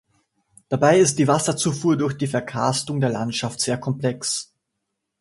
Dabei ist die Wasserzufuhr durch die Verkarstung der Landschaft sehr komplex.